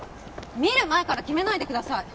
見る前から決めないでください